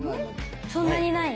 そんなにない？